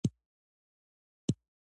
دا په عمل کې هغه سپېڅلې کړۍ ده.